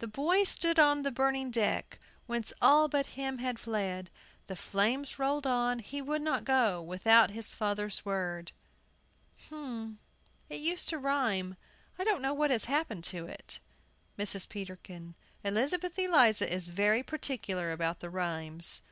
"The boy stood on the burning deck, Whence all but him had fled; The flames rolled on, he would not go Without his father's word." But it used to rhyme. I don't know what has happened to it. MRS. PETERKIN. Elizabeth Eliza is very particular about the rhymes.